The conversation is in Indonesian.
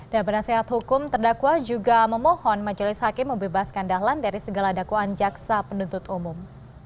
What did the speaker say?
penasehat hukum terdakwa juga memohon majelis hakim membebaskan dahlan dari segala dakwaan jaksa penuntut umum